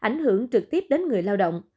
nó hưởng trực tiếp đến người lao động